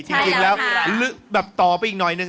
จริงแล้วลึกแบบต่อไปอีกหน่อยนึง